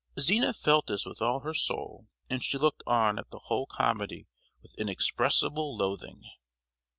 Zina felt this with all her soul, and she looked on at the whole comedy with inexpressible loathing.